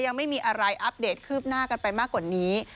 ยังไม่มีอะไรอัปเดตคืบหน้ากันไปมากกว่านี้